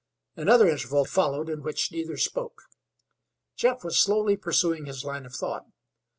Another interval followed in which neither spoke. Jeff was slowly pursuing his line of thought.